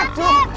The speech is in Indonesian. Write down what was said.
ini pak masif